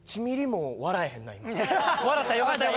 笑った。よかった。